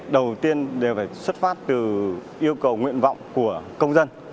đầu tiên đều phải xuất phát từ yêu cầu nguyện vọng của công dân